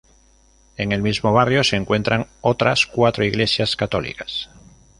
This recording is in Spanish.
En el mismo barrio se encuentran otras cuatro iglesias católicas.